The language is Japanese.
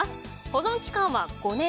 保存期間は５年。